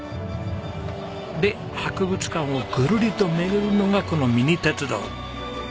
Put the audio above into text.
で博物館をぐるりと巡るのがこのミニ鉄道。